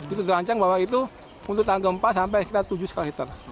itu dirancang bahwa itu untuk tangan gempa sampai sekitar tujuh skala richter